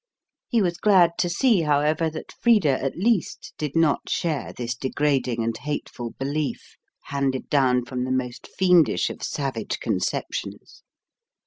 He was glad to see, however, that Frida at least did not share this degrading and hateful belief, handed down from the most fiendish of savage conceptions.